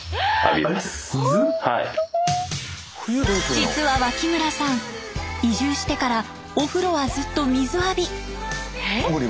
実は脇村さん移住してからお風呂はずっと水浴び。